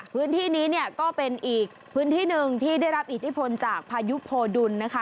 พื้นที่นี้เนี่ยก็เป็นอีกพื้นที่หนึ่งที่ได้รับอิทธิพลจากพายุโพดุลนะคะ